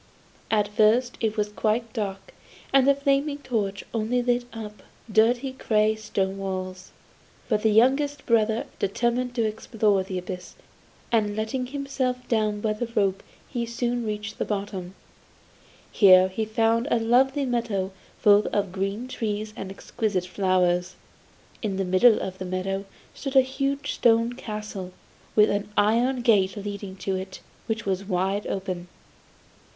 At first it was quite dark, and the flaming torch only lit up dirty grey stone walls. But the youngest brother determined to explore the abyss, and letting himself down by the rope he soon reached the bottom. Here he found a lovely meadow full of green trees and exquisite flowers. In the middle of the meadow stood a huge stone castle, with an iron gate leading to it, which was wide open.